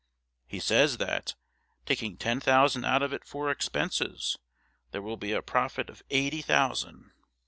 He says that, taking ten thousand out of it for expenses, there will be a profit of eighty thousand.